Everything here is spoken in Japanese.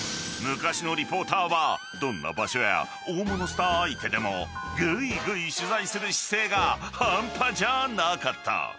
［昔のリポーターはどんな場所や大物スター相手でもグイグイ取材する姿勢が半端じゃなかった］